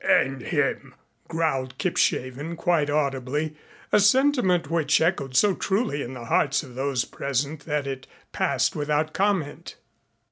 "D n him!" growled Kipshaven quite audibly, a sentiment which echoed so truly in the hearts of those present that it passed without comment.